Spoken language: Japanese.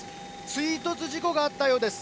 追突事故があったようです。